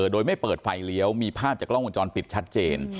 โดยไม่เปิดไฟเลี้ยวมีภาพจากกล้องวงจรปิดชัดเจน